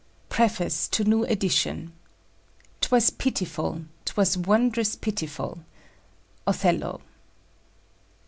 PREFACE TO NEW EDITION. "'Twas pitiful, 'twas wondrous pitiful." _Othello.